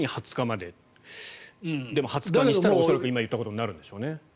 でも２０日にしたら恐らく今、言ったことになるんでしょうね。